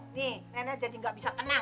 nih nenek jadi gak bisa tenang